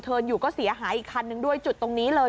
อยู่ก็เสียหายอีกคันนึงด้วยจุดตรงนี้เลย